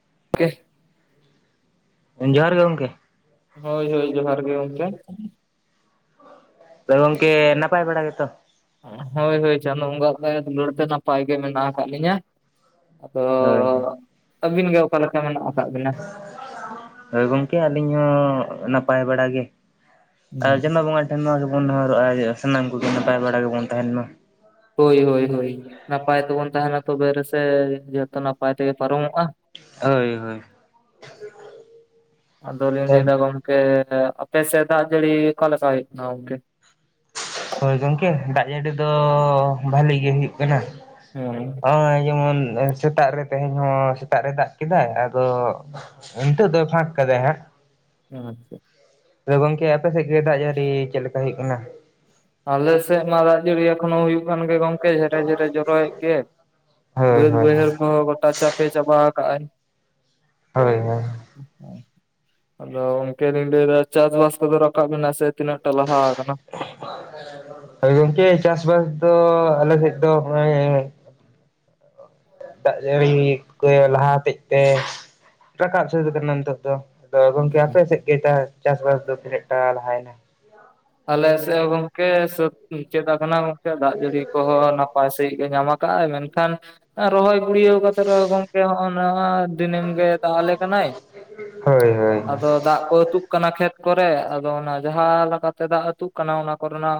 [unintelligible] ᱡᱚᱦᱟᱨ ᱜᱮ ᱜᱚᱝᱠᱮ ᱾ ᱦᱳᱭ ᱦᱳᱭ ᱡᱚᱦᱟᱨ ᱜᱮ ᱜᱚᱝᱠᱮ ᱾ ᱟᱫᱚ ᱜᱚᱝᱠᱮ ᱱᱟᱯᱟᱭ ᱵᱟᱲᱟ ᱜᱮ ᱛᱚ? ᱦᱳᱭ ᱦᱳᱭ ᱪᱟᱸᱫᱳ ᱵᱚᱸᱜᱟ ᱟᱜ ᱫᱟᱭᱟ ᱫᱩᱞᱟᱹᱲ ᱛᱮ ᱱᱟᱯᱟᱭ ᱜᱮ ᱢᱮᱱᱟᱜ ᱟᱠᱟᱫ ᱞᱤᱧᱟᱹ, ᱟᱫᱚ ᱦᱳᱭ ᱦᱳᱭ ᱾ ᱟᱹᱵᱤᱱ ᱜᱮ ᱚᱠᱟ ᱞᱮᱠᱟ ᱢᱮᱱᱟᱜ ᱟᱠᱟᱫ ᱵᱤᱱᱟ? ᱦᱳᱭ ᱜᱚᱝᱠᱮ ᱟᱹᱞᱤᱧ ᱦᱚᱸ ᱱᱟᱯᱟᱭ ᱵᱟᱲᱟ ᱜᱮ, ᱟᱨ ᱪᱟᱸᱫᱳ ᱵᱚᱸᱜᱟ ᱟᱭᱢᱟ ᱜᱮ ᱵᱚᱱ ᱱᱮᱦᱚᱨᱚᱜᱼᱟ ᱡᱮ ᱥᱟᱱᱟᱢ ᱠᱚᱜᱮ ᱱᱟᱯᱟᱭ ᱵᱟᱲᱟ ᱜᱮ ᱵᱚᱱ ᱛᱟᱦᱮᱱ ᱢᱟ ᱾ ᱦᱳᱭ ᱦᱳᱭ ᱦᱳᱭ ᱱᱟᱯᱟᱭ ᱛᱮᱵᱚᱱ ᱛᱟᱦᱮᱱᱟ ᱛᱚᱵᱮ ᱨᱮᱥᱮ ᱡᱦᱚᱛᱚ ᱱᱟᱯᱟᱭ ᱛᱮᱜᱮ ᱯᱟᱨᱚᱢᱚᱜᱼᱟ ᱦᱳᱭ ᱦᱳᱭ ᱾ ᱟᱫᱚ ᱞᱤᱧ ᱞᱟᱹᱭ ᱫᱟ ᱜᱚᱢ ᱠᱮ ᱟᱯᱮ ᱥᱮᱫ ᱫᱟᱜ ᱡᱟᱹᱨᱤ ᱚᱠᱟ ᱞᱮᱠᱟ ᱦᱩᱭᱩᱜ ᱠᱟᱱᱟ ᱜᱚᱝᱠᱮ? ᱦᱳᱭ ᱜᱚᱢᱠᱮ ᱫᱟᱜ ᱡᱟᱹᱲᱤ ᱫᱚ ᱵᱷᱟᱞᱤ ᱜᱮ ᱦᱩᱭᱩᱜ ᱠᱟᱱᱟ ᱾ ᱱᱚᱜᱼᱚᱭ ᱡᱮᱢᱚᱱ ᱥᱮᱛᱟᱜ ᱨᱮ ᱛᱮᱦᱮᱧ ᱦᱚᱸ ᱥᱮᱛᱟᱜ ᱨᱮ ᱫᱟᱜ ᱠᱮᱫᱟᱭ ᱟᱫᱚ [inaudible] ᱫᱚᱭ ᱯᱷᱟᱠ ᱠᱟᱫᱟᱭ ᱦᱟᱸᱜ ᱾ ᱟᱪᱪᱷᱟ ᱾ ᱟᱫᱚ ᱜᱚᱝᱠᱮ ᱟᱯᱮ ᱥᱮᱫ ᱜᱮ ᱫᱟᱜ ᱡᱟᱹᱲᱤ ᱪᱮᱫ ᱞᱮᱠᱟ ᱦᱩᱭᱩᱜ ᱠᱟᱱᱟ? ᱟᱞᱮ ᱥᱮᱫ ᱢᱟ ᱫᱟᱜ ᱡᱟᱹᱨᱤᱭᱟ ᱮᱠᱷᱚᱱᱚ ᱦᱩᱭᱩᱜ ᱠᱟᱱ ᱜᱮ ᱜᱚᱝ ᱠᱮ ᱡᱷᱮᱨᱮ ᱡᱷᱮᱨᱮ ᱡᱚᱨᱚᱭᱮᱫ ᱜᱮ ᱦᱳᱭ ᱵᱟᱹᱫ ᱦᱳᱭ ᱵᱟᱹᱭᱦᱟᱹᱲ ᱠᱚᱦᱚᱸ ᱜᱚᱴᱟ ᱪᱟᱯᱮ ᱪᱟᱵᱟ ᱟᱠᱟᱫ ᱟᱭ ᱾ ᱦᱳᱭ ᱦᱳᱭ ᱾ [unintelligible] ᱟᱫᱚ ᱜᱚᱝᱠᱮ ᱞᱤᱧ ᱞᱟᱹᱭ ᱮᱫᱟ ᱪᱟᱥ ᱵᱟᱥ ᱠᱚᱫᱚ ᱨᱟᱠᱟᱵ ᱮᱱᱟ ᱥᱮ ᱛᱤᱱᱟᱹᱜ ᱴᱟ ᱞᱟᱦᱟ ᱟᱠᱟᱱᱟ? ᱦᱳᱭ ᱜᱚᱝᱠᱮ ᱪᱟᱥ ᱵᱟᱥ ᱫᱚ ᱟᱞᱮ ᱥᱮᱫ ᱫᱚ ᱦᱚᱸᱚᱭ ᱫᱟᱜ ᱡᱟᱹᱲᱤ ᱠᱚᱭ ᱞᱟᱦᱟ ᱦᱚᱛᱮᱫ ᱛᱮ ᱨᱟᱠᱟᱵ ᱥᱟᱹᱛ ᱠᱟᱱᱟ ᱱᱤᱛᱚᱜ ᱫᱚ ᱾ ᱟ ᱜᱚᱝᱠᱮ ᱟᱯᱮ ᱥᱮᱫ ᱜᱮ ᱪᱟᱥ ᱵᱟᱥ ᱫᱚ ᱛᱤᱱᱟᱹᱜ ᱴᱟ ᱞᱟᱦᱟ ᱭᱮᱱᱟ? ᱟᱞᱮ ᱥᱮᱫ ᱦᱚᱸᱜᱚᱝᱠᱮ ᱥᱟᱹᱛ ᱢᱩᱪᱟᱹ ᱟᱠᱟᱱᱟ ᱜᱚᱝᱠᱮ ᱫᱟᱜ ᱡᱟᱹᱲᱤ ᱠᱚᱦᱚᱸ ᱱᱟᱯᱟᱭ ᱥᱟᱦᱤᱡ, ᱧᱟᱢ ᱠᱟᱜᱼ ᱟᱭ ᱢᱮᱱᱠᱷᱟᱱ ᱨᱚᱦᱚᱭ ᱜᱩᱲᱭᱟᱹᱣ ᱠᱟᱛᱮ ᱨᱮᱦᱚᱸ ᱜᱚᱝᱠᱮ ᱦᱚᱸᱚᱭ ᱱᱚᱣᱟ ᱫᱤᱱᱟᱹᱢ ᱜᱮ ᱫᱟᱜ ᱟᱞᱮ ᱠᱟᱱᱟᱭ ᱦᱳᱭ ᱦᱳᱭ ᱟᱫᱚ ᱫᱟᱜ ᱠᱚ ᱟᱹᱛᱩᱜ ᱠᱟᱱᱟ ᱠᱷᱮᱛ ᱠᱚᱨᱮ ᱟᱫᱚ ᱚᱱᱟ ᱡᱟᱦᱟᱸ ᱞᱮᱠᱟᱛᱮ ᱫᱟᱜ ᱟᱹᱛᱩᱜ ᱠᱟᱱᱟ ᱚᱱᱟ ᱠᱚᱨᱮᱱᱟᱜ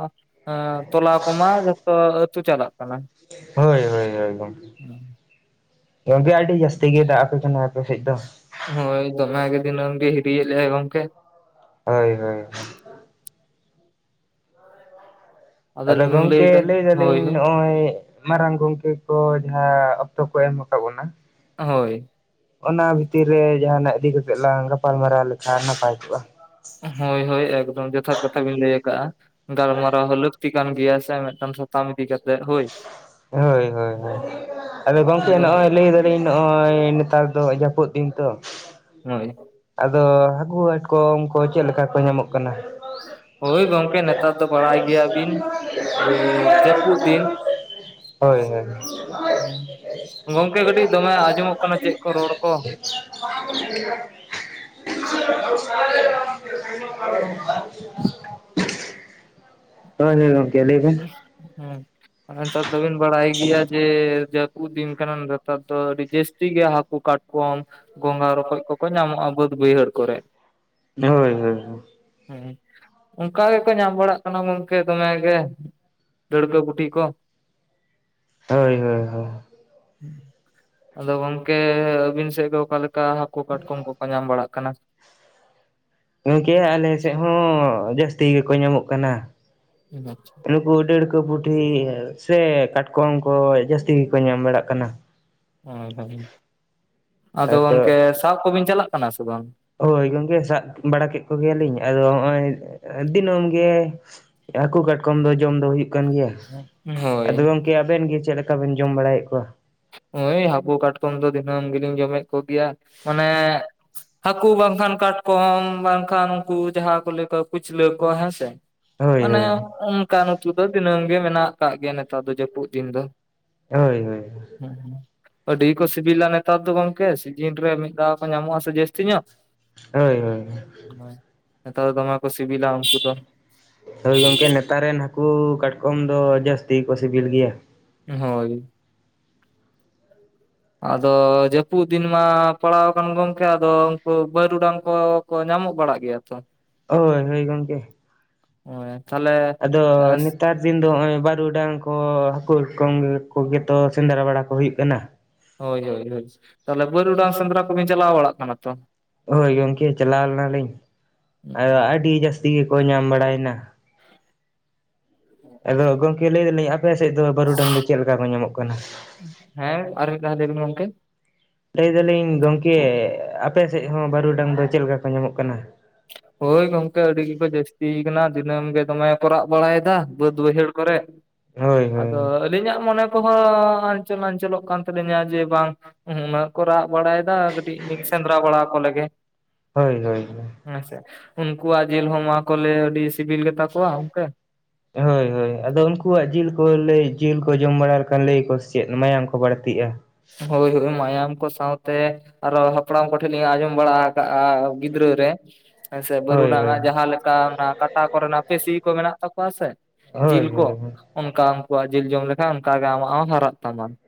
ᱛᱚᱞᱟ ᱠᱚᱢᱟ ᱡᱚᱛᱚ ᱟᱹᱛᱩ ᱪᱟᱞᱟᱜ ᱠᱟᱱᱟ ᱦᱳᱭ ᱦᱳᱭ ᱦᱳᱭ ᱜᱚᱢᱠᱮ ᱜᱚᱝᱠᱮ ᱟᱹᱰᱤ ᱡᱟᱥ ᱛᱮᱜᱮ ᱫᱟᱜ ᱟᱯᱮ ᱠᱟᱱᱟᱭ ᱟᱯᱮ ᱥᱮᱫ ᱫᱚ ᱾ ᱦᱳᱭ ᱫᱚᱢᱮ ᱜᱮ ᱫᱤᱱᱚᱢ ᱜᱮ ᱦᱤᱨᱤᱭᱮᱫ ᱞᱮᱭᱟ ᱜᱚᱝᱠᱮ ᱾ ᱦᱳᱭ ᱦᱳᱭ ᱾ ᱟᱫᱚ ᱞᱤᱧ ᱜᱚᱝᱠᱮ ᱞᱟᱹᱭᱫᱟ ᱞᱟᱹᱭ ᱦᱳᱭ ᱫᱟᱞᱤᱧ ᱦᱳᱭ ᱱᱚᱜᱼᱚᱭ ᱢᱟᱨᱟᱝ ᱜᱚᱝᱠᱮ ᱠᱚ ᱡᱟᱦᱟᱸ ᱚᱠᱛᱚ ᱠᱚ ᱮᱢ ᱟᱠᱟᱫ ᱵᱚᱱᱟ ᱦᱳᱭ᱾ ᱚᱱᱟ ᱵᱷᱤᱛᱤᱨ ᱨᱮ ᱡᱟᱦᱟᱱᱟᱜ ᱤᱫᱤ ᱠᱟᱛᱮᱜ ᱞᱟᱝ ᱜᱟᱯᱟᱞᱢᱟᱨᱟᱣ ᱞᱮᱠᱷᱟᱱ ᱱᱟᱯᱟᱭ ᱠᱚᱜᱼᱟ ᱾ ᱦᱳᱭ ᱦᱳᱭ ᱮᱠᱫᱚᱢ ᱡᱚᱛᱷᱟᱛ ᱠᱟᱛᱷᱟ ᱵᱤᱱ ᱞᱟᱹᱭ ᱟᱠᱟᱫ-ᱟ ᱾ ᱜᱟᱞᱢᱟᱨᱟᱣ ᱦᱚᱸ ᱞᱟᱠᱛᱤ ᱠᱟᱱ ᱜᱮᱭᱟ ᱥᱮ ᱢᱤᱫᱴᱟᱝ ᱥᱟᱛᱟᱢ ᱤᱫᱤ ᱠᱟᱛᱮᱫ ᱦᱳᱭ ᱾ ᱦᱳᱭ ᱦᱳᱭ ᱟᱫᱚ ᱜᱚᱢᱠᱮ ᱱᱚᱜᱼᱚᱭ ᱞᱟᱹᱭ ᱫᱟ ᱞᱤᱧ ᱱᱚᱜᱼᱚᱭ ᱱᱮᱛᱟᱨ ᱫᱚ ᱡᱟᱹᱯᱩᱫ ᱫᱤᱱ ᱛᱚ, ᱦᱳᱭ ᱾ ᱟᱫᱚ ᱦᱟᱹᱠᱩ ᱠᱟᱴᱠᱚᱢ ᱠᱚ ᱪᱮᱫ ᱞᱮᱠᱟ ᱠᱚ ᱧᱟᱢᱚᱜ ᱠᱟᱱᱟ? ᱦᱳᱭ ᱜᱚᱝᱠᱮ ᱱᱮᱛᱟᱨ ᱫᱚ ᱵᱟᱲᱟᱭ ᱜᱮᱭᱟ ᱵᱤᱱ ᱡᱮ ᱡᱟᱹᱯᱩᱫ ᱫᱤᱱ ᱦᱳᱭ ᱜᱚᱝᱠᱮ ᱠᱟᱹᱴᱤᱡ ᱫᱚᱢᱮ ᱟᱸᱡᱚᱢᱚᱜ ᱠᱟᱱᱟ ᱪᱮᱫ ᱠᱚ ᱨᱚᱲ ᱠᱚ [unintelligible] [unintelligible] [unintelligible] ᱦᱳᱭ ᱦᱳᱭ ᱜᱚᱢᱠᱮ ᱞᱟᱹᱭ ᱵᱮᱱ ᱦᱮᱸ ᱱᱮᱛᱟᱨ ᱫᱚᱵᱤᱱ ᱵᱟᱲᱟᱭ ᱜᱮᱭᱟ ᱡᱮ ᱡᱟᱹᱯᱩᱫ ᱫᱤᱱ ᱠᱟᱱᱟ ᱱᱮᱛᱟᱨ ᱫᱚ ᱟᱹᱰᱤ ᱡᱟᱹᱥᱛᱤ ᱜᱮ ᱦᱟᱹᱠᱩ ᱠᱟᱴ ᱠᱚᱢ ᱜᱚᱸᱜᱷᱟ ᱨᱚᱠᱚᱡ ᱠᱚᱠᱚ ᱧᱟᱢᱚᱜᱼᱟ ᱵᱟᱹᱫ ᱵᱟᱹᱭᱦᱟᱹᱲ ᱠᱚᱨᱮ ᱦᱳᱭ ᱦᱳᱭ ᱦᱳᱭ ᱦᱮᱸ ᱚᱱᱠᱟ ᱜᱮ ᱠᱚ ᱧᱟᱢ ᱵᱟᱲᱟᱜ ᱠᱟᱱᱟ ᱜᱚᱝᱠᱮ ᱫᱚᱢᱮ ᱜᱮ ᱰᱟᱹᱲᱠᱟᱹ ᱯᱩᱴᱷᱤ ᱠᱚ ᱦᱳᱭ ᱦᱳᱭ ᱦᱳᱭ ᱦᱩᱸ, ᱟᱫᱚ ᱜᱚᱝᱠᱮ ᱟᱹᱵᱤᱱ ᱥᱮᱫ ᱜᱮ ᱚᱠᱟ ᱞᱮᱠᱟ ᱦᱟᱹᱠᱩ ᱠᱟᱴᱠᱚᱢ ᱠᱚᱠᱚ ᱧᱟᱢ ᱵᱟᱲᱟᱜ ᱠᱟᱱᱟ᱾ ᱜᱚᱢᱠᱮ ᱟᱞᱮ ᱥᱮᱫ ᱦᱚᱸ ᱡᱟᱹᱥᱛᱤ ᱜᱮᱠᱚ ᱧᱟᱢᱚᱜ ᱠᱟᱱᱟ᱾ [unintelligible] ᱱᱩᱠᱩ ᱰᱟᱹᱲᱠᱟᱹ ᱯᱩᱴᱷᱤ ᱥᱮ ᱠᱟᱴᱠᱚᱢ ᱠᱚ ᱡᱟᱹᱥᱛᱤ ᱜᱮᱠᱚ ᱧᱟᱢ ᱵᱟᱲᱟᱜ ᱠᱟᱱᱟ ᱾ ᱦᱮᱸ ᱦᱮᱸ ᱟᱫᱚ ᱜᱚᱝᱠᱮ ᱛᱚ ᱥᱟᱵ ᱠᱚᱵᱤᱱ ᱪᱟᱞᱟᱜ ᱠᱟᱱᱟ ᱥᱮ ᱵᱟᱝ? ᱦᱳᱭ ᱜᱚᱝᱠᱮ ᱥᱟᱵ ᱵᱟᱲᱟ ᱠᱮᱫ ᱠᱚᱜᱮᱭᱟᱞᱤᱧ ᱟᱫᱚ ᱱᱚᱜᱼᱚᱭ ᱫᱤᱱᱟᱹᱢ ᱜᱮ ᱦᱟᱹᱠᱩ ᱠᱟᱴᱠᱚᱢ ᱫᱚ ᱡᱚᱢ ᱫᱚ ᱦᱩᱭᱩᱜ ᱠᱟᱱ ᱜᱮᱭᱟ ᱾ ᱦᱳᱭ ᱟᱫᱚ ᱜᱚᱝᱠᱮ ᱟᱵᱮᱱ ᱜᱮ ᱪᱮᱫ ᱞᱮᱠᱟ ᱵᱮᱱ ᱡᱚᱢ ᱵᱟᱲᱟᱭᱮᱫ ᱠᱚᱣᱟ? ᱦᱳᱭ ᱦᱟᱹᱠᱩ ᱠᱟᱴᱠᱚᱢ ᱫᱚ ᱫᱤᱱᱟᱹᱢ ᱜᱮᱞᱤᱧ ᱡᱚᱢᱮᱫ ᱠᱚᱜᱮᱭᱟ ᱢᱟᱱᱮ ᱦᱟᱹᱠᱩ ᱵᱟᱝᱠᱷᱟᱱ ᱠᱟᱴᱠᱚᱢ ᱵᱟᱝᱠᱷᱟᱱ ᱩᱱᱠᱩ ᱡᱟᱦᱟᱸ ᱠᱚ ᱞᱟᱹᱭ ᱠᱚᱣᱟ ᱠᱩᱪᱞᱟᱹ ᱠᱚ ᱦᱮᱸ ᱥᱮ ᱦᱳᱭ ᱢᱟᱱᱮ ᱦᱳᱭ ᱚᱱᱠᱟᱱ ᱩᱛᱩ ᱫᱚ ᱫᱤᱱᱟᱹᱢ ᱜᱮ ᱢᱮᱱᱟᱜ ᱟᱠᱟᱫ ᱜᱮᱭᱟ ᱱᱮᱛᱟᱨ ᱫᱚ ᱡᱟᱹᱯᱩᱫ ᱫᱤᱱ ᱫᱚ᱾ ᱦᱳᱭ ᱦᱳᱭ ᱦᱮᱸ ᱦᱮᱸ ᱟᱹᱰᱤ ᱜᱮᱠᱚ ᱥᱤᱵᱤᱞᱟ ᱱᱮᱛᱟᱨ ᱫᱚ ᱜᱚᱝᱠᱮ ᱥᱤᱡᱤᱱ ᱨᱮ ᱢᱤᱫ ᱫᱷᱟᱣ ᱠᱚ ᱧᱟᱢᱚᱜᱼᱟ ᱥᱮ ᱡᱟᱹᱥᱛᱤ ᱧᱚᱜ ᱦᱳᱭ ᱦᱳᱭ [unintelligible] ᱱᱮᱛᱟᱨ ᱫᱚ ᱫᱚᱢᱮ ᱠᱚ ᱥᱤᱵᱤᱞᱟ ᱩᱱᱠᱩ ᱫᱚ᱾ ᱦᱳᱭ ᱜᱚᱢᱠᱮ ᱱᱮᱛᱟᱨ ᱨᱮᱱ ᱦᱟᱹᱠᱩ ᱠᱟᱴᱠᱚᱢ ᱫᱚ ᱡᱟᱹᱥᱛᱤ ᱠᱚ ᱥᱤᱵᱤᱞ ᱜᱮᱭᱟ ᱾ ᱦᱳᱭ ᱾ ᱟᱫᱚ ᱡᱟᱹᱯᱩᱫ ᱫᱤᱱ ᱢᱟ ᱯᱟᱲᱟᱣ ᱟᱠᱟᱱ ᱜᱚᱢᱠᱮ ᱟᱫᱚ ᱩᱱᱠᱩ ᱵᱟᱹᱨᱩᱰᱟᱝ ᱠᱚ᱾ ᱠᱚ ᱧᱟᱢᱚᱜ ᱵᱟᱲᱟᱜ ᱜᱮᱭᱟ ᱛᱚ ᱦᱳᱭ ᱦᱳᱭ ᱜᱚᱢᱠᱮ [unintelligible] ᱛᱟᱦᱚᱞᱮ ᱟᱫᱚ ᱱᱤᱛᱟᱨ ᱫᱤᱱ ᱫᱚ ᱱᱚᱜᱼᱚᱭ ᱵᱟᱹᱨᱩᱰᱟᱝ ᱠᱚ ᱦᱟᱹᱠᱩ ᱠᱟᱴᱠᱚᱢ ᱠᱚᱜᱮ ᱛᱚ ᱥᱮᱸᱫᱽᱨᱟ ᱵᱟᱲᱟ ᱠᱚ ᱦᱩᱭᱩᱜ ᱠᱟᱱᱟ ᱾ ᱦᱳᱭ ᱦᱳᱭ ᱦᱳᱭ ᱛᱟᱦᱚᱞᱮ ᱵᱟᱹᱨᱩᱰᱟᱝ ᱥᱮᱸᱫᱽᱨᱟ ᱠᱚᱵᱤᱱ ᱪᱟᱞᱟᱣ ᱵᱟᱲᱟᱜ ᱠᱟᱱᱟ ᱛᱚ᱾ ᱦᱳᱭ ᱜᱚᱢᱠᱮ ᱪᱟᱞᱟᱣ ᱞᱮᱱᱟᱞᱤᱧ ᱟᱫᱚ ᱟᱹᱰᱤ ᱡᱟᱹᱥᱛᱤ ᱜᱮᱠᱚ ᱧᱟᱢ ᱵᱟᱲᱟᱭᱮᱱᱟ᱾ ᱟᱫᱚ ᱜᱚᱢᱠᱮ ᱞᱟᱹᱭ ᱮᱫᱟᱞᱤᱧ ᱟᱯᱮ ᱥᱮᱫ ᱫᱚ ᱵᱟᱹᱨᱩᱰᱟᱝ ᱫᱚ ᱪᱮᱫ ᱞᱮᱠᱟ ᱠᱚ ᱧᱟᱢᱚᱜ ᱠᱟᱱᱟ? ᱦᱮᱸ ᱟᱨ ᱢᱤᱫ ᱫᱷᱟᱣ ᱞᱟᱹᱭ ᱵᱤᱱ ᱜᱚᱝᱠᱮ ᱞᱟᱹᱭ ᱮᱫᱟᱞᱤᱧ ᱜᱚᱢᱠᱮ ᱟᱯᱮ ᱥᱮᱫ ᱦᱚᱸ ᱵᱟᱹᱨᱩᱰᱟᱝ ᱫᱚ ᱪᱮᱫ ᱞᱮᱠᱟ ᱠᱚ ᱧᱟᱢᱚᱜ ᱠᱟᱱᱟ? ‌ ᱦᱳᱭ ᱜᱚᱢᱠᱮ ᱟᱹᱰᱤ ᱜᱮᱠᱚ ᱡᱟᱹᱥᱛᱤ ᱠᱟᱱᱟ ᱫᱤᱱᱟᱹᱢ ᱜᱮ ᱫᱚᱢᱮ ᱠᱚ ᱨᱟᱜ ᱵᱟᱲᱟᱭᱮᱫᱟ ᱵᱟᱹᱫ ᱵᱟᱹᱭᱦᱟᱹᱲ ᱠᱚᱨᱮ, ᱦᱳᱭ ᱦᱳᱭ ᱟᱫᱚ ᱟᱹᱞᱤᱧᱟᱜ ᱢᱚᱱᱮ ᱠᱚᱦᱚᱸ ᱟᱧᱪᱚᱞ ᱟᱧᱪᱚᱞᱚᱜ ᱠᱟᱱ ᱛᱟᱹᱞᱤᱧᱟ ᱡᱮ ᱵᱟᱝ ᱩᱱᱟ‌. ᱜ ᱠᱚ ᱨᱟᱜ ᱵᱟᱲᱟᱭᱮᱫᱟ ᱠᱟᱹᱴᱤᱡ ᱞᱤᱧ ᱥᱮᱸᱫᱽᱨᱟ ᱵᱟᱲᱟ ᱟᱠᱚ ᱞᱮᱜᱮ ᱾ ᱦᱳᱭ ᱦᱳᱭ ᱦᱳᱭ ᱦᱮᱸᱥᱮ ᱩᱱᱠᱩᱣᱟᱜ ᱡᱤᱞ ᱦᱚᱸ ᱱᱚᱣᱟ ᱠᱚ ᱞᱟ. ᱭᱟ ᱟᱹᱰᱤ ᱥᱤᱵᱤᱞ ᱜᱮᱛᱟ ᱠᱚᱣᱟ ᱜᱚᱝᱠᱮ ᱦᱳᱭ ᱦᱳᱭ ᱟᱫᱚ ᱩᱱᱠᱩᱣᱟᱜ ᱡᱤᱞ ᱠᱚ ᱞᱟᱹᱭ ᱡᱤᱞ ᱠᱚ ᱡᱚᱢ ᱵᱟᱲᱟ ᱞᱮᱠᱷᱟᱱ ᱞᱟᱹᱭᱟᱠᱚ ᱥᱮᱪᱮᱫ ᱢᱟᱭᱟᱢ ᱠᱚ ᱵᱟᱹᱲᱛᱤᱜᱼᱟ ᱦᱳᱭ ᱦᱳᱭ ᱢᱟᱭᱟᱝ ᱠᱚ ᱥᱟᱶᱛᱮ ᱟᱨᱚ ᱦᱟᱯᱲᱟᱢ ᱠᱚᱴᱷᱮᱱᱞᱤᱧ ᱟᱸᱡᱚᱢ ᱵᱟᱲᱟ ᱟᱠᱟᱜᱼᱟ ᱜᱤᱫᱽᱨᱟᱹ ᱨᱮ ᱦᱮᱸᱥᱮ ᱦᱳᱭ ᱵᱟᱹᱨᱩᱰᱟᱝ ᱦᱳᱭ ᱟᱜ ᱡᱟᱦᱟᱸ ᱞᱮᱠᱟ ᱚᱱᱟ ᱠᱟᱴᱟ ᱠᱚᱨᱮᱱᱟᱜ ᱯᱮᱥᱤ ᱠᱚ ᱢᱮᱱᱟᱜ ᱛᱟᱠᱚᱣᱟ ᱥᱮ ᱦᱳᱭ ᱡᱤᱞ ᱠᱚ ᱦᱳᱭ ᱚᱱᱠᱟ ᱩᱱᱠᱩᱣᱟᱜ ᱡᱤᱞ ᱡᱚᱢ ᱞᱮᱠᱷᱟᱱ ᱚᱱᱠᱟᱜᱮ ᱟᱢᱟᱜ ᱦᱚᱸ ᱦᱟᱨᱟᱜ ᱛᱟᱢᱟ ᱾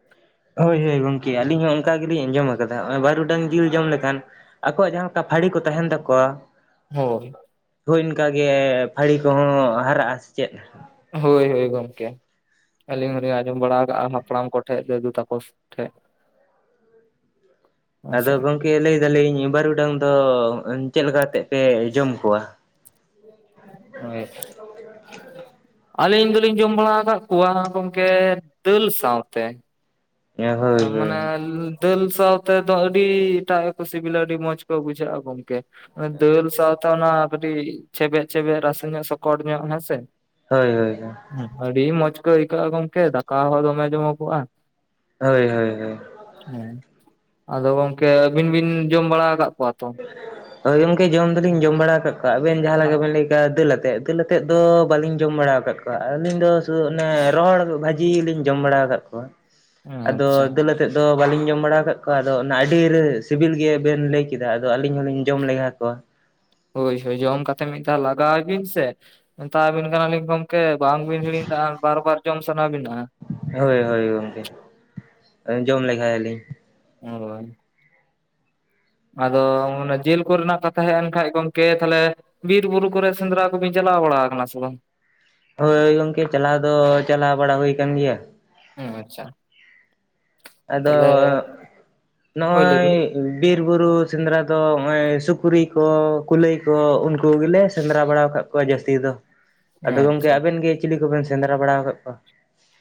ᱦᱳᱭ ᱦᱳᱭ ᱜᱚᱝᱠᱮ ᱟᱹᱞᱤᱧ ᱦᱚᱸ ᱚᱱᱠᱟ ᱜᱮᱞᱤᱧ ᱟᱸᱡᱚᱢ ᱟᱠᱟᱫᱟ ᱱᱚᱜ ᱵᱟᱨᱩᱰᱟᱝ ᱡᱤᱞ ᱡᱚᱢ ᱞᱮᱠᱷᱟᱱ ᱟᱠᱚᱣᱟᱜ ᱡᱟᱦᱟᱸ ᱞᱮᱠᱟ ᱯᱷᱟᱹᱲᱤ ᱠᱚ ᱛᱟᱦᱮᱱ ᱛᱟᱠᱚᱣᱟ ᱦᱳᱭ ᱦᱳᱭ ᱤᱱᱠᱟᱜᱮ ᱯᱷᱟᱹᱲᱤ ᱠᱚᱦᱚᱸ ᱦᱟᱨᱟᱜᱼᱟ ᱥᱮ ᱪᱮᱫ ᱦᱳᱭ ᱦᱳᱭ ᱜᱚᱢᱠᱮ᱾ ᱟᱹᱞᱤᱧ ᱦᱚᱸᱞᱤᱧ ᱟᱸᱡᱚᱢ ᱵᱟᱲᱟ ᱠᱟᱜᱼᱟ ᱦᱟᱯᱲᱟᱢ ᱠᱚᱴᱷᱮᱡ ᱫᱟᱹᱫᱩ ᱛᱟᱠᱚ ᱴᱷᱮᱡ ᱟᱫᱚ ᱦᱮᱸᱥᱮ ᱜᱚᱝᱠᱮ ᱞᱟᱹᱭ ᱫᱟᱞᱤᱧ ᱵᱟᱹᱨᱩᱰᱟᱝ ᱫᱚ ᱪᱮᱫ ᱞᱮᱠᱟ ᱠᱟᱛᱮᱫ ᱯᱮ ᱡᱚᱢ ᱠᱚᱣᱟ? [unintelligible] ᱟᱹᱞᱤᱧ ᱫᱚᱞᱤᱧ ᱡᱚᱢ ᱵᱟᱲᱟ ᱟᱠᱟᱫ ᱠᱚᱣᱟ ᱜᱚᱝᱠᱮ ᱫᱟᱹᱞ ᱥᱟᱶᱛᱮ ᱾ ᱦᱳᱭ ᱦᱳᱭ ᱢᱟᱱᱮᱻ ᱫᱟᱹᱞ ᱥᱟᱶᱛᱮ ᱫᱚ ᱟᱹᱰᱤ ᱮᱴᱟᱜ ᱜᱮᱠᱚ ᱥᱤᱵᱤᱞᱟ ᱟᱹᱰᱤ ᱢᱚᱸᱡᱽ ᱠᱚ ᱵᱩᱡᱷᱟᱹᱜᱼᱟ ᱜᱚᱝᱠᱮ ᱾ ᱫᱟᱹᱞ ᱥᱟᱶᱛᱮ ᱚᱱᱟ ᱠᱟᱹᱴᱤᱡ ᱪᱷᱮᱵᱮᱡ ᱪᱷᱮᱵᱮᱡ ᱨᱟᱥᱮ ᱧᱚᱜ ᱥᱚᱠᱚᱴ ᱧᱚᱜ ᱦᱮᱸᱥᱮ ᱦᱳᱭ ᱦᱳᱭ ᱟᱹᱰᱤ ᱢᱚᱸᱡᱽ ᱠᱚ ᱟᱹᱭᱠᱟᱹᱜᱼᱟ ᱜᱚᱝᱠᱮ ᱫᱟᱠᱟ ᱦᱚᱸ ᱫᱚᱢᱮ ᱡᱚᱢᱚᱜᱚᱜᱼᱟ ᱾ ᱦᱳᱭ ᱦᱳᱭ ᱦᱳᱭ ᱦᱮᱸ ᱟᱫᱚ ᱜᱚᱝᱠᱮ ᱟᱹᱵᱤᱱ ᱵᱤᱱ ᱡᱚᱢ ᱵᱟᱲᱟ ᱟᱠᱟᱫ ᱠᱚᱣᱟ ᱛᱚ? ᱦᱳᱭ ᱜᱚᱝᱠᱮ ᱡᱚᱢ ᱫᱚᱞᱤᱧ ᱡᱚᱢ ᱵᱟᱲᱟ ᱟᱠᱟᱫ ᱠᱚᱣᱟ ᱟᱵᱮᱱ ᱡᱟᱦᱟᱸ ᱞᱮᱠᱟ ᱵᱮᱱ ᱞᱟᱹᱭ ᱦᱮ ᱫᱟᱹᱞ ᱟᱛᱮᱫ ᱫᱟᱹᱞ ᱟᱛᱮᱫ ᱫᱚ ᱵᱟᱹᱞᱤᱧ ᱡᱚᱢ ᱵᱟᱲᱟ ᱟᱠᱟᱫ ᱠᱚᱣᱟ ᱟᱹᱞᱤᱧ ᱫᱚ ᱥᱩᱫᱩ ᱚᱱᱮ ᱨᱚᱦᱚᱲ ᱵᱷᱟᱹᱡ ᱡᱤ ᱞᱤᱧ ᱡᱚᱢ ᱵᱟᱲᱟ ᱟᱠᱟᱫ ᱠᱚᱣᱟ ᱟᱫᱚ ᱟᱪᱪᱷᱟ ᱫᱟᱹᱞ ᱛᱮᱫ ᱫᱚ ᱵᱟᱞᱤᱧ ᱡᱚᱢ ᱵᱟᱲᱟ ᱟᱠᱟᱫ ᱠᱚᱣᱟ ᱟᱫᱚ ᱚᱱᱟ ᱟᱹᱰᱤ ᱥᱤᱵᱤᱞ ᱜᱮᱵᱮᱱ ᱞᱟᱹᱭ ᱠᱮᱫᱟ ᱟᱫᱚ ᱟᱹᱞᱤᱧ ᱦᱚᱞᱤᱧ ᱡᱚᱢ ᱞᱮᱜᱟ ᱠᱚᱣᱟ ᱾ ᱦᱳᱭ ᱦᱳᱭ ᱡᱚᱢ ᱠᱟᱛᱮ ᱢᱤᱫ ᱫᱷᱟᱣ ᱞᱟᱜᱟᱣ ᱵᱤᱱ ᱥᱮ ᱢᱮᱛᱟᱵᱤᱱ ᱠᱟᱱᱟᱞᱤᱧ ᱜᱚᱢᱠᱮ ᱵᱟᱝᱵᱤᱱ ᱦᱤᱲᱤᱧ ᱫᱟᱜ ᱟ ᱵᱟᱨ ᱵᱟᱨ ᱡᱚᱢ ᱥᱟᱱᱟ ᱵᱤᱱᱟ ᱾ ᱦᱳᱭ ᱦᱳᱭ ᱜᱚᱢᱠᱮ ᱡᱚᱢ ᱞᱮᱜᱟᱭᱟᱞᱤᱧ ᱾ ᱦᱳᱭ ᱟᱫᱚ ᱚᱱᱮ ᱡᱤᱞ ᱠᱚᱨᱮᱱᱟᱜ ᱠᱟᱛᱷᱟ ᱦᱮᱡ ᱮᱱ ᱠᱷᱟᱱ ᱜᱚᱝᱠᱮ ᱛᱟᱦᱞᱮ ᱵᱤᱨ ᱵᱩᱨᱩ ᱠᱚᱨᱮ ᱥᱮᱸᱫᱽᱨᱟ ᱠᱚᱵᱤᱱ ᱪᱟᱞᱟᱣ ᱵᱟᱲᱟ ᱟᱠᱟᱱᱟ ᱥᱮ ᱵᱟᱝ? ᱦᱳᱭ ᱜᱚᱝᱠᱮ ᱪᱟᱞᱟᱣ ᱫᱚ ᱪᱟᱞᱟᱣ ᱵᱟᱲᱟ ᱦᱩᱭ ᱟᱠᱟᱱ ᱜᱮᱭᱟ ᱾ ᱦᱩᱸ ᱟᱪᱪᱷᱟ ᱟᱫᱚ ᱛᱟᱦᱚᱞᱮ ᱦᱳᱭ ᱞᱟᱹᱭ ᱱᱚᱜ-ᱚᱭ ᱵᱤᱱ ᱵᱤᱨ ᱵᱩᱨᱩ ᱥᱮᱸᱫᱽᱨᱟ ᱫᱚ ᱱᱚᱜᱼᱚᱭ ᱥᱩᱠᱨᱤ ᱠᱚ, ᱠᱩᱞᱟᱹᱭ ᱠᱚ ᱩᱱᱠᱩ ᱜᱮᱞᱮ ᱥᱮᱸᱫᱽᱨᱟ ᱵᱟᱲᱟ ᱟᱠᱟᱫ ᱠᱚᱣᱟ ᱡᱟᱹᱥᱛᱤ ᱫᱚ, ᱟᱫᱚ ᱜᱚᱢᱠᱮ ᱟᱪᱪᱷᱟ ᱟᱵᱮᱱ ᱜᱮ ᱪᱤᱞᱤ ᱠᱚᱵᱮᱱ ᱥᱮᱸᱫᱽᱨᱟ ᱵᱟᱲᱟ ᱟᱠᱟᱫ ᱠᱚᱣᱟ?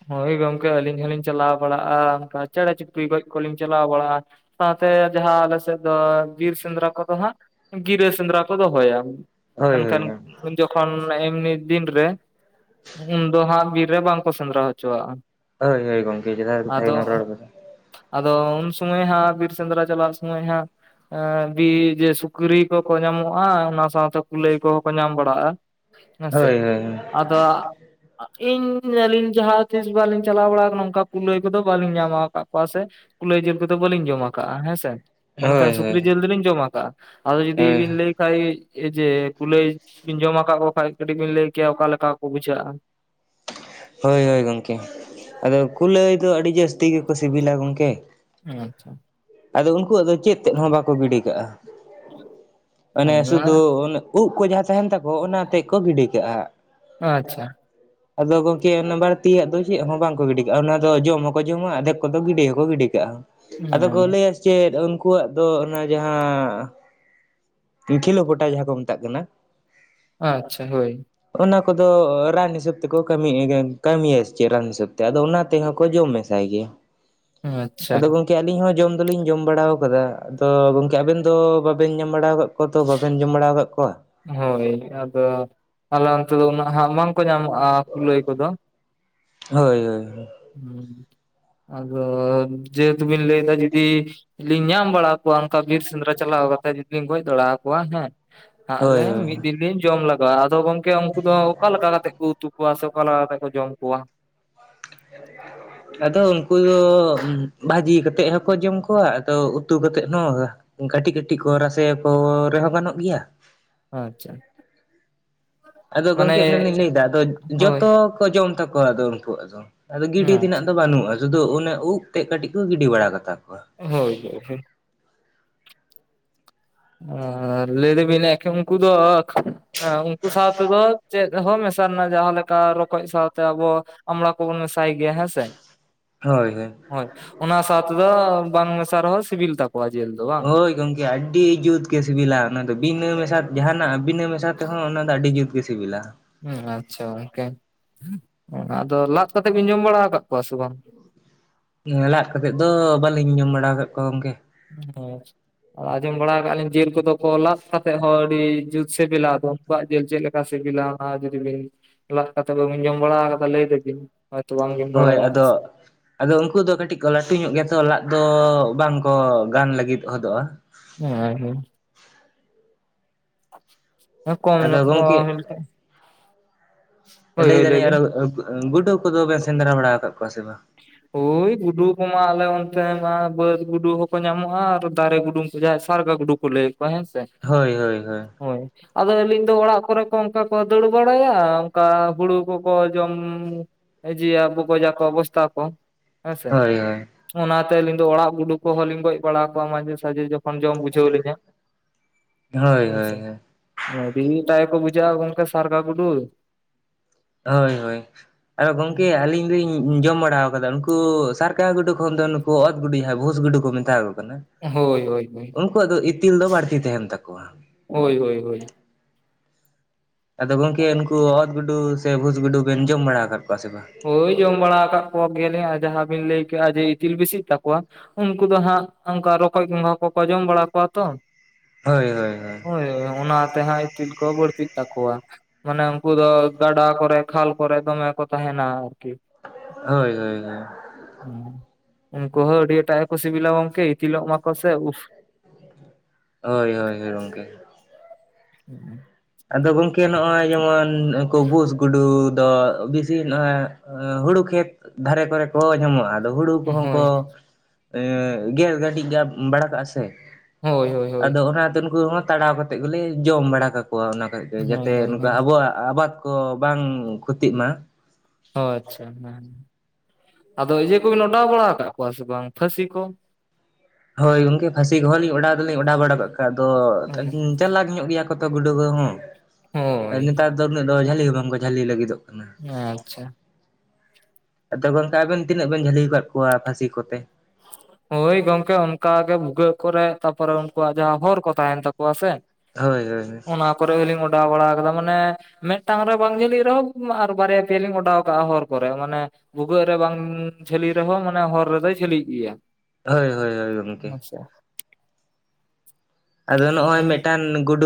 ᱦᱳᱭ ᱜᱚᱝᱠᱮ ᱟᱹᱞᱤᱧ ᱦᱚᱞᱤᱧ ᱪᱟᱞᱟᱣ ᱵᱟᱲᱟᱜ-ᱟ ᱚᱱᱠᱟ ᱪᱮᱸᱬᱮ ᱪᱩᱯᱲᱤ ᱜᱚᱡ ᱠᱚᱞᱤᱧ ᱪᱟᱞᱟᱣ ᱵᱟᱲᱟᱜᱼᱟ ᱾ ᱥᱟᱶᱛᱮ ᱡᱟᱦᱟᱸ ᱟᱞᱮ ᱥᱮᱫ ᱫᱚ ᱵᱤᱨ ᱥᱮᱸᱫᱽᱨᱟ ᱠᱚᱫᱚ ᱦᱟᱸᱜ ᱜᱤᱨᱟᱹ ᱥᱮᱸᱫᱽᱨᱟ ᱠᱚ ᱫᱚᱦᱚᱭᱟ ᱾ ᱦᱳᱭ ᱮᱱᱠᱷᱟᱱ ᱦᱳᱭ ᱩᱱ ᱡᱚᱠᱷᱚᱱ ᱮᱢᱱᱤ ᱫᱤᱱ ᱨᱮ ᱩᱱ ᱫᱚ ᱦᱟᱸᱜ ᱵᱤᱨ ᱨᱮ ᱵᱟᱝᱠᱚ ᱥᱮᱸᱫᱽᱨᱟ ᱦᱚ ᱪᱚᱣᱟᱜ-ᱟ᱾ ᱦᱟᱹᱭ ᱦᱟᱹᱭ ᱜᱚᱝᱠᱮ ᱡᱚᱛᱷᱟᱛ ᱠᱟᱛᱷᱟ ᱜᱮᱵᱤᱱ ᱨᱚᱲ ᱟᱠᱟᱫᱟ᱾ ᱟᱫᱚ ᱩᱱ ᱥᱩᱢᱚᱭ ᱦᱟᱸᱜ ᱵᱤᱨ ᱥᱮᱸᱫᱽᱨᱟ ᱪᱟᱞᱟᱭᱮᱱ ᱥᱩᱢᱚᱭ ᱦᱟᱸᱜ ᱮᱸ ᱵᱤ ᱡᱮ ᱥᱩᱠᱨᱤ ᱠᱚᱠᱚ ᱧᱟᱢᱚᱜᱼᱟ ᱚᱱᱟ ᱥᱟᱶᱛᱮ ᱠᱩᱞᱟᱹᱭ ᱠᱚᱦᱚᱸ ᱠᱚ ᱧᱟᱢ ᱵᱟᱲᱟᱜᱼᱟ᱾ ᱦᱮᱸᱥᱮ ᱦᱳᱭ ᱦᱳᱭ ᱟᱫᱚ ᱤᱧ ᱟᱹᱞᱤᱧ ᱡᱟᱦᱟᱸ ᱛᱤᱥ ᱵᱟᱞᱤᱧ ᱪᱟᱞᱟᱣ ᱵᱟᱲᱟᱮ ᱠᱟᱱᱟ ᱱᱚᱝᱠᱟ ᱠᱩᱞᱟᱹᱭ ᱠᱚᱫᱚ ᱵᱟᱞᱤᱧ ᱧᱟᱢ ᱟᱠᱟᱫ ᱠᱚᱣᱟ ᱥᱮ ᱠᱩᱞᱟᱹᱭ ᱡᱤᱞ ᱠᱚᱫᱚ ᱵᱟᱹᱞᱤᱧ ᱡᱚᱢ ᱟᱠᱟᱜᱼᱟ ᱦᱮᱸᱥᱮ᱾ ᱦᱳᱭ ᱢᱮᱱᱠᱷᱟᱱ ᱦᱳᱭ ᱥᱩᱠᱨᱤ ᱡᱤᱞ ᱫᱚᱞᱤᱧ ᱡᱚᱢ ᱟᱠᱟᱟᱜᱼᱟ, ᱟᱫᱚ ᱡᱩᱫᱤ ᱦᱳᱭ ᱵᱤᱱ ᱞᱟᱹᱭ ᱠᱷᱟᱱ ᱮ ᱡᱮ ᱠᱩᱞᱟᱹᱭ ᱵᱤᱱ ᱡᱚᱢ ᱟᱠᱟᱫ ᱠᱚ ᱠᱷᱟᱱᱡ ᱠᱟᱹᱴᱤᱡ ᱵᱤᱱ ᱞᱟᱹᱭ ᱠᱮᱭᱟ ᱚᱠᱟ ᱞᱮᱠᱟ ᱠᱚ ᱵᱩᱡᱷᱟᱹᱜᱼᱟ? ᱦᱳᱭ ᱦᱳᱭ ᱜᱚᱢᱠᱮ᱾ ᱟᱫᱚ ᱠᱩᱞᱟᱹᱭ ᱫᱚ ᱟᱹᱰᱤ ᱡᱟᱹᱥᱛᱤ ᱜᱮᱠᱚ ᱥᱤᱵᱤᱞᱟ ᱜᱚᱢᱠᱮ᱾ ᱟᱪᱪᱷᱟ᱾ ᱟᱫᱚ ᱩᱱᱠᱩᱣᱟᱜ ᱫᱚ ᱪᱮᱫ ᱛᱮᱫ ᱦᱚᱸ ᱵᱟᱠᱚ ᱜᱤᱰᱤ ᱠᱟᱜᱼᱟ᱾ ᱚᱱᱮ ᱦᱮᱸ ᱥᱩᱫᱩ ᱩᱱᱮ ᱩᱵ ᱠᱚ ᱡᱟᱦᱟᱸ ᱛᱟᱦᱮᱱ ᱛᱟᱠᱚ ᱚᱱᱟᱛᱮᱫ ᱠᱚ ᱜᱤᱰᱤ ᱠᱟᱜᱼᱟ᱾ ᱟᱪᱪᱷᱟ᱾ ᱟᱫᱚ ᱜᱚᱝᱠᱮ ᱚᱱᱟ ᱵᱟᱹᱲᱛᱤᱭᱟᱜ ᱫᱚ ᱪᱮᱫ ᱦᱚᱸ ᱵᱟᱝᱠᱚ ᱜᱤᱰᱤ ᱠᱟᱜᱼᱟ ᱚᱱᱟ ᱫᱚ ᱡᱚᱢ ᱦᱚᱸᱠᱚ ᱡᱚᱢᱟ ᱟᱫᱷᱮᱠ ᱠᱚᱫᱚ ᱜᱤᱰᱤ ᱦᱚᱸᱠᱚ ᱜᱤᱰᱤ ᱠᱟᱜᱼᱟ᱾ ᱦᱮᱸ᱾ ᱟᱨ ᱪᱮᱫ ᱩᱱᱠᱩᱣᱟᱜ ᱫᱚ ᱚᱱᱟ ᱡᱟᱦᱟᱸ ᱤ ᱠᱷᱤᱞᱳ ᱯᱚᱴᱟ ᱡᱟᱦᱟᱸ ᱠᱚ ᱢᱮᱛᱟᱜ ᱠᱟᱱᱟ᱾ ᱟᱪᱪᱷᱟ ᱦᱳᱭ᱾ ᱚᱱᱟ ᱠᱚᱫᱚ ᱨᱟᱱ ᱦᱤᱥᱟᱹᱵ ᱛᱮᱠᱚ ᱠᱟᱹᱢᱤ ᱠᱟᱹᱢᱤᱭᱟ ᱥᱮᱪᱮᱫ ᱨᱟᱱ ᱦᱤᱥᱟᱹᱵ ᱛᱮ ᱟᱫᱚ ᱚᱱᱟ ᱛᱮ ᱦᱚᱸᱚᱸᱠᱚ ᱡᱚᱢ ᱢᱮᱥᱟᱭ ᱜᱮᱭᱟ᱾ ᱟᱪᱪᱷᱟ᱾ ᱟᱞᱤᱧ ᱦᱚᱸ ᱡᱚᱢ ᱫᱚᱞᱤᱧ ᱡᱚᱢ ᱵᱟᱲᱟ ᱟᱠᱟᱫᱟ, ᱟᱫᱚ ᱜᱚᱝᱠᱮ ᱟᱵᱮᱱ ᱫᱚ ᱵᱟᱵᱮᱱ ᱡᱚᱢ ᱵᱟᱲᱟ ᱟᱠᱟᱫ ᱠᱚᱣᱟ ᱛᱚ ᱵᱟᱵᱮᱱ ᱡᱚᱢ ᱵᱟᱲᱟ ᱟᱠᱟᱫ ᱠᱚᱣᱟ᱾ ᱦᱳᱭ ᱟᱫᱚ ᱟᱞᱮ ᱚᱱᱛᱮ ᱫᱚ ᱩᱱᱟᱹᱜ ᱦᱟᱸᱜ ᱵᱟᱝᱠᱚ ᱧᱟᱢᱚᱜᱼᱟ ᱠᱩᱞᱟᱹᱭ ᱠᱚᱫᱚ᱾ ᱦᱳᱭ ᱦᱳᱭ ᱦᱳᱭ᱾ ᱦᱮᱸ ᱟᱫᱚ ᱡᱮᱦᱮᱛᱩ ᱵᱤᱱ ᱞᱟᱹᱭᱫᱟ ᱡᱩᱫᱤ ᱞᱤᱧ ᱧᱟᱢ ᱵᱟᱲᱟᱣ ᱠᱚᱣᱟ ᱚᱱᱠᱟ ᱵᱤᱨ ᱥᱮᱸᱫᱽᱨᱟ ᱪᱟᱞᱟᱣ ᱠᱟᱛᱮ ᱡᱩᱫᱤᱢ ᱜᱚᱡ ᱫᱟᱲᱟ ᱟᱠᱚᱣᱟ ᱦᱮᱸ ᱦᱳᱭ ᱦᱟᱸᱜ-ᱞᱮ ᱢᱤᱫ ᱦᱳᱭ ᱵᱤᱞᱤᱧ ᱡᱚᱢ ᱞᱟᱜᱟᱣᱟ, ᱟᱫᱚ ᱜᱚᱝᱠᱮ ᱩᱱᱠᱩ ᱫᱚ ᱚᱠᱟ ᱞᱮᱠᱟ ᱠᱟᱛᱮᱜ ᱠᱚ ᱩᱛᱩ ᱠᱚᱣᱟ ᱥᱮ ᱚᱠᱟ ᱞᱮᱠᱟ ᱠᱟᱛᱮ ᱠᱚ ᱡᱚᱢ ᱠᱚᱣᱟ? [inaudible] ᱟᱫᱚ ᱩᱱᱠᱩ ᱫᱚ ᱵᱷᱟᱹᱡᱤ ᱠᱟᱛᱮᱫ ᱦᱚᱠᱚ ᱡᱚᱢ ᱠᱚᱣᱟ ᱟᱫᱚ ᱩᱛᱩ ᱠᱟᱛᱮᱫ ᱦᱚᱸ᱾ ᱠᱟᱹᱴᱤᱡ ᱠᱟᱹᱴᱤᱡ ᱠᱚ ᱨᱟᱥᱮ ᱟᱠᱚ ᱨᱮᱦᱚᱸ ᱜᱟᱱᱚᱜ ᱜᱮᱭᱟ᱾ ᱚ ᱟᱪᱪᱷᱟ᱾ ᱟᱫᱚ ᱢᱟᱱᱮ ᱜᱚᱢᱠᱮ ᱮᱱᱟᱹ ᱞᱤᱧ ᱞᱟᱹᱭᱫᱟ ᱟᱫᱚ ᱦᱳᱭ ᱡᱚᱛᱚ ᱠᱚ ᱡᱚᱢ ᱛᱟᱠᱚᱣᱟ ᱟᱫᱚ ᱩᱱᱠᱩᱣᱟᱜ ᱫᱚ᱾ ᱟᱫᱚ ᱜᱤᱰᱤ ᱟᱪᱪᱷᱟ ᱛᱮᱱᱟᱜ ᱫᱚ ᱵᱟᱹᱱᱩᱜᱼᱟ ᱥᱩᱫᱩ ᱚᱱᱮ ᱩᱵ ᱛᱮᱫ ᱠᱟᱹᱴᱤᱡ ᱠᱚ ᱜᱤᱰᱤ ᱵᱟᱲᱟ ᱠᱟᱛᱟ ᱠᱚᱣᱟ᱾ ᱦᱳᱭ [unintelligible] ᱟᱨ ᱞᱟᱹᱭ ᱫᱵᱤᱱ ᱮᱠᱮ ᱩᱱᱠᱩ ᱫᱚ ᱩᱱᱠᱩ ᱥᱟᱶ ᱛᱮᱫᱚ ᱪᱮᱫ ᱦᱚᱸ ᱢᱮᱥᱟ ᱨᱮᱱᱟ ᱡᱟᱦᱟᱸ ᱞᱮᱠᱟ ᱨᱚᱠᱚᱡ ᱥᱟᱶᱛᱮ ᱟᱵᱚ ᱚᱢᱲᱟ ᱠᱚᱵᱚᱱ ᱢᱮᱥᱟᱭ ᱜᱮᱭᱟ ᱦᱮᱸ ᱥᱮ᱾ ᱦᱳᱭ ᱦᱳᱭ᱾ ᱦᱳᱭ ᱚᱱᱟ ᱥᱟᱶᱛᱮ ᱫᱚ ᱵᱟᱝ ᱢᱮᱥᱟ ᱨᱮᱦᱚᱸ ᱥᱤᱵᱤᱞ ᱛᱟᱠᱚᱣᱟ ᱡᱮᱞ ᱫᱚ ᱵᱟᱝ᱾ ᱦᱳᱭ ᱜᱚᱝᱠᱮ ᱟᱹᱰᱤ ᱡᱩᱛᱜᱮ ᱥᱤᱵᱤᱞᱟ ᱚᱱᱟᱫᱚ ᱵᱤᱱᱟᱹ ᱢᱮᱥᱟ ᱡᱟᱦᱟᱱᱟᱜ ᱵᱤᱱᱟᱹ ᱢᱮᱥᱟ ᱛᱮᱦᱚᱸ ᱚᱱᱟ ᱫᱚ ᱟᱹᱰᱤ ᱡᱩᱛᱜᱮ ᱥᱤᱵᱤᱞᱟ᱾ ᱦᱩᱸ ᱟᱪᱪᱷᱟ ᱜᱚᱝᱠᱮ, ᱟᱫᱚ ᱞᱟᱫᱽ ᱠᱟᱛᱮᱜ ᱵᱮᱤᱱ ᱡᱚᱢ ᱵᱟᱲᱟ ᱟᱠᱟᱫ ᱠᱚᱣᱟ ᱥᱮ ᱵᱟᱝ? ᱞᱟᱽ ᱠᱟᱛᱮᱫ ᱫᱚ ᱵᱟᱹᱞᱤᱧ ᱡᱚᱢ ᱵᱟᱲᱟ ᱟᱠᱟᱫ ᱠᱚᱣᱟ ᱜᱚᱝᱠᱮ᱾ [unintelligible] ᱟᱸᱡᱚᱢ ᱵᱟᱲᱟ ᱟᱠᱟᱜ ᱞᱤᱧ ᱡᱤᱞ ᱠᱚᱫᱚ ᱠᱚ ᱞᱟᱫ ᱠᱟᱛᱮᱜ ᱦᱚᱸ ᱟᱹᱰᱤ ᱡᱩᱛ ᱥᱤᱵᱤᱞᱟ ᱫᱚ ᱠᱚᱣᱟᱜ ᱡᱮᱞ ᱪᱮᱫ ᱞᱮᱠᱟ ᱥᱤᱵᱤᱞᱟ ᱚᱱᱟ ᱡᱩᱫᱤ ᱵᱤᱱ ᱞᱟᱜ ᱠᱟᱛᱮ ᱵᱟᱵᱤᱱ ᱡᱚᱢ ᱵᱟᱲᱟ ᱠᱟᱫᱟ ᱞᱟᱹᱭ ᱫᱟᱵᱤᱱ ᱦᱳᱭ ᱛᱚ ᱵᱟᱝ ᱜᱮ ᱦᱳᱭ ᱟᱫᱚ ᱟᱫᱚ ᱩᱱᱠᱩ ᱫᱚ ᱠᱟᱹᱴᱤᱡ ᱠᱚ ᱞᱟᱹᱴᱩ ᱧᱚᱜ ᱜᱮᱭᱟ ᱛᱚ ᱞᱟᱫ ᱫᱚ ᱵᱟᱝᱠᱚ ᱜᱟᱱ ᱞᱟᱹᱜᱤᱫ ᱦᱚᱫᱚᱜᱼᱟ [unintelligible] ᱠᱚᱢ ᱟᱫᱚ ᱧᱚᱜ ᱠᱚ ᱜᱚᱝᱠᱮ ᱦᱩᱭ ᱞᱮᱱᱠᱷᱟᱡ ᱞᱟᱹᱭᱫᱟᱞᱤᱧ ᱵᱤᱱ ᱟᱨᱚ ᱜᱩᱰᱩ ᱠᱚᱫᱚ ᱵᱮᱱ ᱥᱮᱸᱫᱽᱨᱟ ᱵᱟᱲᱟ ᱟᱠᱟᱫ ᱠᱚᱣᱟ ᱥᱮ ᱵᱟᱝ ᱳᱭ ᱜᱩᱰᱩ ᱠᱚᱢᱟ ᱟᱞᱮ ᱚᱱᱛᱮ ᱢᱟ ᱵᱟᱹᱫᱽ ᱜᱩᱰᱩ ᱦᱚᱸᱠᱚ ᱧᱟᱢᱚᱜᱼᱟ ᱟᱨ ᱫᱟᱨᱮ ᱜᱩᱰᱩ ᱡᱟᱸᱦᱟᱭ ᱥᱟᱨᱜᱟ ᱜᱩᱰᱩ ᱠᱚ ᱞᱟ. ᱭ ᱠᱚᱣᱟ ᱦᱮᱸᱥᱮ ᱦᱳᱭ ᱦᱳᱭ ᱦᱳᱭ ᱟᱫᱚ ᱟᱹᱞᱤᱧ ᱫᱚ ᱚᱲᱟᱜ ᱠᱚᱨᱮ ᱠᱚ ᱚᱱᱠᱟ ᱠᱚ ᱫᱟᱹᱲ ᱵᱟᱲᱟᱭᱟ ᱚᱱᱠᱟ ᱦᱩᱲᱩ ᱠᱚᱠᱚ ᱡᱚᱢ ᱡᱤᱭᱟ ᱵᱚᱜᱚᱡᱟ ᱠᱚ ᱵᱚᱥᱛᱷᱟ ᱠᱚ ᱦᱮᱸᱥᱮ ᱦᱳᱭ ᱦᱳᱭ [unintelligible] ᱚᱱᱟᱛᱮ ᱟᱞᱤᱧ ᱫᱚ ᱚᱲᱟᱜ ᱜᱩᱰᱩ ᱠᱚᱦᱳ ᱞᱤᱧ ᱜᱚᱡ ᱵᱟᱲᱟ ᱠᱚᱣᱟ ᱢᱟᱡᱮ ᱥᱟᱡᱮ ᱡᱚᱠᱷᱚᱱ ᱢᱟᱢ ᱵᱩᱡ ᱡᱷᱟ. ᱣ ᱞᱤᱧᱟ ᱦᱳᱭ ᱦᱮᱸᱥᱮ ᱦᱳᱭ ᱟ. ᱰᱤ ᱮᱴᱟᱜ ᱜᱮ ᱠᱚ ᱵᱩᱡᱷᱟ. ᱜ ᱟ ᱜᱚᱝᱠᱮ ᱥᱟᱨᱜᱟ ᱜᱩᱰᱩ ᱦᱳᱭ ᱦᱳᱭ ᱟᱫᱚ ᱜᱚᱝᱠᱮ ᱟᱹᱞᱤᱧ ᱫᱚᱞᱤᱧ ᱡᱚᱢ ᱵᱟᱲᱟ ᱠᱟᱫᱟ ᱱᱩᱠᱩ ᱥᱟᱨᱠᱟ ᱜᱩᱰᱩ ᱠᱷᱚᱱ ᱫᱚ ᱚᱛ ᱜᱩᱰᱩ ᱡᱟᱦᱟᱸ ᱵᱷᱩᱥ ᱜᱩᱰᱩ ᱠᱚ ᱢᱮᱛᱟ ᱟᱠᱚ ᱠᱟᱱᱟ ᱦᱳᱭ ᱦᱳᱭ ᱦᱳᱭ ᱩᱱᱠᱩᱣᱟᱜ ᱫᱚ ᱤᱛᱤᱞ ᱫᱚ ᱵᱟᱹᱲᱛᱤ ᱛᱟᱦᱮᱱ ᱛᱟᱠᱚᱣᱟ ᱦᱳᱭ ᱦᱳᱭ ᱦᱳᱭ ᱟᱫᱚ ᱜᱚᱝᱠᱮ ᱩᱱᱠᱩ ᱚᱛ ᱜᱩᱰᱩ ᱥᱮ ᱵᱷᱩᱥ ᱜᱩᱰᱩ ᱵᱮᱱ ᱡᱚᱢ ᱵᱟᱲᱟ ᱟᱠᱟᱫ ᱠᱚᱣᱟ ᱥᱮ ᱵᱟᱝ ᱦᱳᱭ ᱡᱚᱢ ᱵᱟᱲᱟ ᱟᱠᱟᱫ ᱠᱚᱣᱟ ᱜᱮᱭᱟᱞᱤᱧ ᱟᱨ ᱡᱟᱦᱟᱸ ᱵᱤᱱ ᱞᱟᱹᱭ ᱠᱮᱜᱼᱟ ᱡᱮ ᱤᱛᱤᱞ ᱵᱤᱥᱤᱜ ᱛᱟᱠᱚᱣᱟ ᱩᱱᱠᱩ ᱫᱚ ᱦᱟᱸᱜ ᱚᱱᱠᱟ ᱨᱚᱠᱚᱡ ᱜᱚᱸᱜᱷᱟ ᱠᱚᱠᱚ ᱡᱚᱢ ᱵᱟᱲᱟ ᱠᱚᱣᱟ ᱛᱚ ᱦᱳᱭ ᱦᱳᱭ ᱦᱳᱭ ᱦᱳᱭ ᱦᱳᱭ ᱚᱱᱟ ᱛᱮᱦᱟᱸᱜ ᱤᱛᱤᱞ ᱠᱚ ᱵᱟᱹᱲᱛᱤᱜ ᱛᱟᱠᱚᱣᱟ ᱢᱟᱱᱮ ᱩᱱᱠᱩ ᱫᱚ ᱜᱟᱰᱟ ᱠᱚᱨᱮ ᱠᱷᱟᱞ ᱠᱚᱨᱮ ᱫᱚᱢᱮ ᱠᱚ ᱛᱟᱦᱮᱱᱟ ᱟᱨᱠᱤ ᱦᱳᱭ ᱦᱳᱭ ᱦᱳᱭ ᱦᱩ ᱩᱱᱠᱩ ᱦᱚᱸ ᱟᱹᱰᱤ ᱮᱴᱟᱜ ᱜᱮᱠᱚ ᱥᱤᱵᱤᱞᱟ ᱜᱚᱝᱠᱮ ᱤᱛᱤᱞᱚᱜ ᱢᱟᱠᱚ ᱥᱮ ᱩᱦ ᱦᱳᱭ ᱦᱳᱭ ᱦᱳᱭ ᱜᱚᱝᱠᱮ [inaudible] ᱟᱫᱚ ᱜᱚᱝᱠᱮ ᱱᱚᱜᱼᱚᱭ ᱡᱮᱢᱚᱱ ᱩᱱᱠᱩ ᱵᱷᱩᱥ ᱜᱩᱰᱩ ᱫᱚ ᱵᱤᱥ ᱛᱤ ᱱᱚᱜ ᱚᱭ ᱦᱩᱲᱩ ᱠᱷᱮᱛ ᱫᱷᱟᱨᱮ ᱠᱚᱨᱮ ᱠᱚ ᱧᱟᱢᱚᱜᱼᱟ ᱟᱫᱚ ᱦᱩᱲᱩ ᱠᱚᱦᱚᱸ ᱦᱳᱭ ᱠᱚ [unintelligible] ᱮᱫ ᱜᱮᱫ ᱜᱟ. ᱰᱤᱡ ᱵᱟᱲᱟ ᱠᱟᱜᱼᱟ ᱥᱮ ᱦᱳᱭ ᱦᱳᱭ ᱦᱳᱭ ᱟᱫᱚ ᱚᱱᱟᱛᱮ ᱩᱱᱠᱩ ᱦᱚᱸ ᱛᱟᱲᱟᱣ ᱠᱟ ᱠᱟᱛᱮᱫ ᱜᱮᱞᱮ ᱡᱚᱢ ᱵᱟᱲᱟ ᱠᱟᱠᱚᱣᱟ ᱚᱱᱟ ᱠᱷᱚᱡᱜᱮ ᱦᱳᱭ ᱡᱟᱛᱮ ᱦᱳᱭ ᱱᱚᱝᱠᱟ ᱦᱳᱭ ᱟᱵᱚᱣᱟᱜ ᱟᱵᱟᱫᱽ ᱠᱚ ᱵᱟᱝ ᱠᱷᱚᱛᱤᱜ ᱢᱟ ᱚ ᱟᱪᱪᱷᱟ ᱦᱮᱸ ᱟᱫᱚ ᱤᱭᱟᱹ ᱠᱚᱵᱮᱱ ᱚᱰᱟᱣ ᱵᱟᱲᱟ ᱟᱠᱟᱫ ᱠᱚᱣᱟ ᱥᱮ ᱵᱟᱝ ᱯᱷᱟᱹᱥᱤ ᱠᱚ ᱦᱳᱭ ᱜᱚᱝᱠᱮ ᱯᱷᱟᱥᱤ ᱠᱚᱦᱚᱸ ᱞᱤᱧ ᱚᱰᱟᱣ ᱫᱚᱞᱤᱧ ᱚᱰᱟᱣ ᱵᱟᱲᱟ ᱠᱟᱜ ᱠᱟᱜᱼᱟ ᱟᱫᱚ ᱪᱟᱞᱟᱠ ᱧᱚᱜ ᱜᱮᱭᱟ ᱠᱚᱛᱚ ᱜᱩᱰᱩ ᱠᱚ ᱦᱚᱸ ᱦᱳᱭ ᱱᱮᱛᱟᱨ ᱫᱚ ᱩᱱᱟᱹᱜ ᱫᱚ ᱡᱷᱟᱹᱞᱤ ᱦᱚᱸ ᱵᱟᱝᱠᱚ ᱡᱷᱟᱹᱞᱤ ᱞᱟᱹᱜᱤᱫᱚᱜ ᱠᱟᱱᱟ ᱟᱪᱪᱷᱟ ᱟᱫᱚ ᱜᱚᱝᱠᱮ ᱟᱵᱮᱱ ᱛᱤᱱᱟᱹᱜ ᱵᱮᱱ ᱡᱷᱟᱹᱞᱤᱣ ᱟᱠᱟᱫ ᱠᱚᱣᱟ ᱯᱷᱟᱹᱥᱤ ᱠᱚᱛᱮ ᱦᱳᱭ ᱜᱚᱝᱠᱮ ᱚᱱᱠᱟᱜᱮ ᱵᱷᱩᱜᱟᱹᱜ ᱠᱚᱨᱮ ᱛᱟᱯᱚᱨᱮ ᱩᱱᱠᱩᱣᱟᱜ ᱡᱟᱦᱟᱸ ᱦᱚᱨ ᱠᱚ ᱛᱟᱦᱮᱱ ᱛᱟᱠᱚᱣᱟ ᱥᱮ ᱦᱳᱭ ᱦᱳᱭ ᱦᱳᱭ ᱠᱚᱨᱮᱫ ᱦᱚᱸᱞᱤᱧ ᱚᱰᱟᱣ ᱵᱟᱲᱟ ᱠᱟᱫᱟ ᱢᱟᱱᱮ ᱢᱤᱫᱴᱟᱝ ᱨᱮ ᱵᱟᱝ ᱡᱷᱟᱹᱞᱤᱜ ᱨᱮᱦᱚᱸ ᱟᱨ ᱵᱟᱨᱭᱟ ᱯᱮᱭᱟ ᱞᱤᱧ ᱚᱰᱟᱣ ᱠᱟᱜᱼᱟ ᱦᱚᱨ ᱠᱚᱨᱮ ᱢᱟᱱᱮ ᱵᱷᱩᱜᱟᱹᱜ ᱨᱮ ᱵᱟᱝ ᱡᱷᱟᱹᱞᱤ ᱨᱮᱦᱚᱸ ᱢᱟᱱᱮ ᱦᱚᱨ ᱨᱮᱫᱚᱭ ᱡᱷᱟᱹᱞᱤᱜ ᱜᱮᱭᱟ ᱾ ᱦᱳᱭ ᱦᱳᱭ ᱦᱳᱭ ᱜᱚᱢᱠᱮ ᱾ ᱟᱫᱚ ᱱᱚᱜᱼᱚᱭ ᱢᱤᱫᱴᱟᱝ